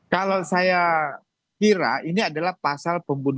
kalau saya kira ini adalah pasal pembunuhan